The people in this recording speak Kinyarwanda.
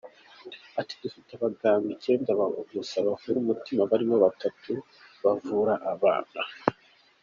Ati “Dufite abaganga icyenda gusa bavura umutima harimo batatu bavura abana.